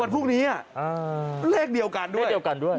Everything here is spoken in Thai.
วันพรุ่งนี้เลขเดียวกันด้วย